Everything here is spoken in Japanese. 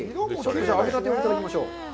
揚げたてをいただきましょう。